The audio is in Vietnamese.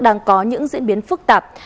đang có những diễn biến phức tạp